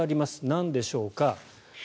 なんでしょうか。